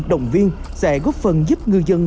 động viên sẽ góp phần giúp ngư dân